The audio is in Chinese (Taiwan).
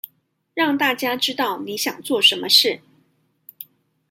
讓大家知道你想做什麼事